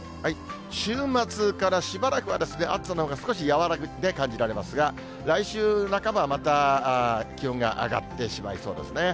週末からしばらくは暑さのほうが少し和らいで感じられますが、来週半ばはまた気温が上がってしまいそうですね。